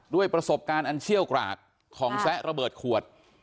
ด้วยประสบการณ์อันเชี่ยวกรากของแซะระเบิดขวด